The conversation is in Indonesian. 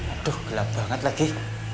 aduh gelap banget lagi